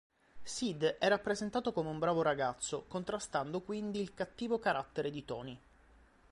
Sid è rappresentato come un bravo ragazzo, contrastando quindi il cattivo carattere di Tony.